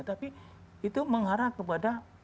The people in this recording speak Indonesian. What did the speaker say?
tapi itu mengarah kepada